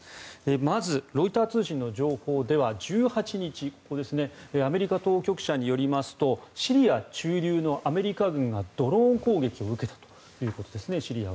まずロイター通信の情報では１８日アメリカ当局者によりますとシリア駐留のアメリカ軍がドローン攻撃を受けたということです。